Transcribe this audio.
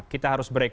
kita harus break